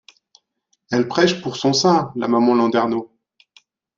Elle prêche pour son saint, la maman Landernau.